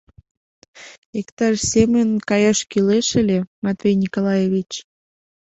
— Иктаж семын каяш кӱлеш ыле, Матвей Николаевич.